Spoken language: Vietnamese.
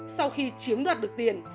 sau khi chiếm đoạt được tiền